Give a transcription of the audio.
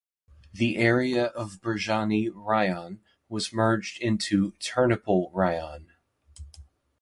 The area of Berezhany Raion was merged into Ternopil Raion.